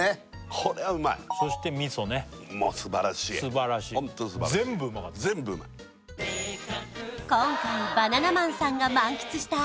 これはうまいそして味噌ねすばらしいホントすばらしいすばらしい全部うまかった全部うまい今回バナナマンさんが満喫した